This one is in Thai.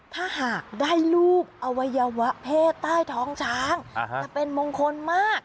ถ้าหากได้รูปอวัยวะเพศใต้ท้องช้างจะเป็นมงคลมาก